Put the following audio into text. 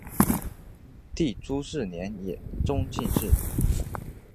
弟朱士廉也中进士。